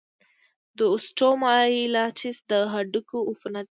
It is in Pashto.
د اوسټیومایلايټس د هډوکو عفونت دی.